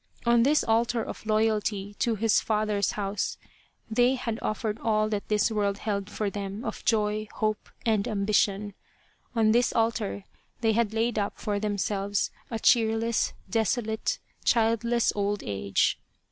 On this altar of loyalty to 216 Loyal, Even Unto Death his father's house they had offered all that this world held for them of joy, hope, and ambition. On this altar they had laid up for themselves a cheerless, desolate, childless old age.